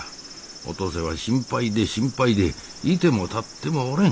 お登勢は心配で心配で居ても立ってもおれん。